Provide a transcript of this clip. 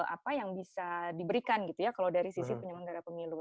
apa yang bisa diberikan gitu ya kalau dari sisi penyelenggara pemilu